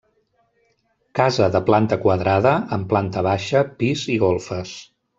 Casa de planta quadrada amb planta baixa, pis i golfes.